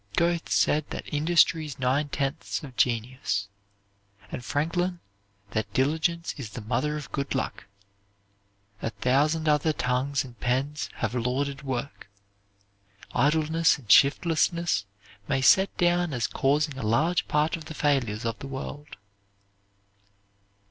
Goethe said that industry is nine tenths of genius, and Franklin that diligence is the mother of good luck. A thousand other tongues and pens have lauded work. Idleness and shiftlessness may be set down as causing a large part of the failures of the world.